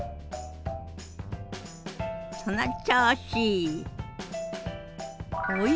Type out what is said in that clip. その調子！